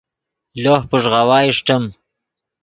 لوہ پݱغاؤا اݰٹیم